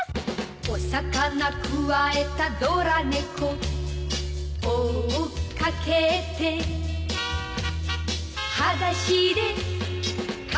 「お魚くわえたドラ猫」「追っかけて」「はだしでかけてく」